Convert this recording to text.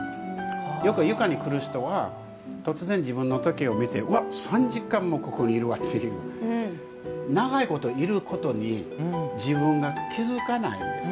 よく床に来る人は突然、自分の時計を見て３時間もここにいるわという長いこといることに自分が気付かないんです。